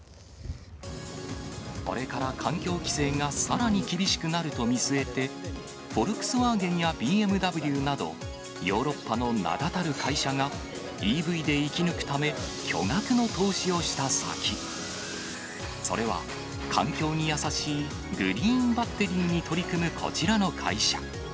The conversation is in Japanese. これから環境規制がさらに厳しくなると見据えて、フォルクスワーゲンやＢＭＷなど、ヨーロッパの名だたる会社が、ＥＶで生き抜くため、巨額の投資をした先、それは、環境に優しいグリーンバッテリーに取り組むこちらの会社。